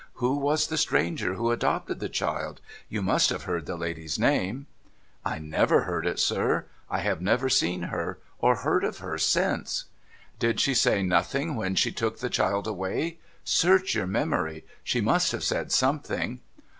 Who was the stranger who adopted the child ? You must have heard the lady's name ?'' I never heard it, sir. I have never seen her, or heard of her, since.' ' Did she say nothing when she took the child away ? Search your memory. She must have said something.'